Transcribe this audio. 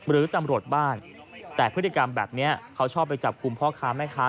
หรือตำรวจบ้างแต่พฤติกรรมแบบนี้เขาชอบไปจับกลุ่มพ่อค้าแม่ค้า